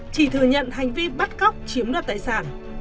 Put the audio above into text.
chỉ thừa nhận hành vi bắt cóc chiếm đoạt tài sản